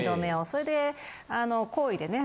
それで厚意でね